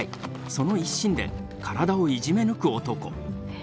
その一心で体をいじめ抜く男。